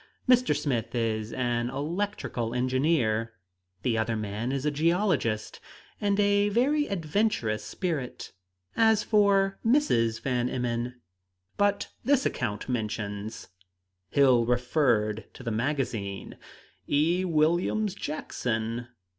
Mr. Smith is an electrical engineer; the other man is a geologist, and a very adventurous spirit. As for Mrs. Van Emmon " "But this account mentions" Hill referred to the magazine "'E. Williams Jackson.'